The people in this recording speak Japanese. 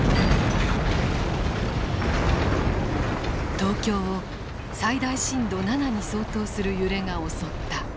東京を最大震度７に相当する揺れが襲った。